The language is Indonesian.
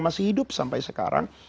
masih hidup sampai sekarang